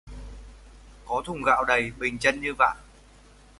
Có thùng gạo đầy, bình chân như vại